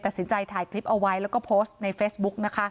ตัดสินใจถ่ายคลิปเอาไว้แล้วก็โพสต์ในเฟซบุ๊กนะคะ